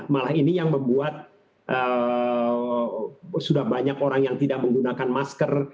malah ini yang membuat sudah banyak orang yang tidak menggunakan masker